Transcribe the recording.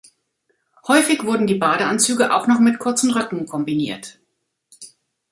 Häufig wurden die Badeanzüge auch noch mit kurzen Röcken kombiniert.